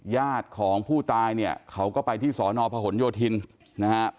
ญาติของผู้ตายเขาก็ไปที่สนพหนโยธินทร์